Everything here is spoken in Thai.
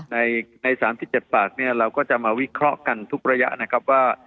ใน๓๗ปากเนี่ยเราก็จะมาวิเคราะห์กันทุกระยะนะครับว่า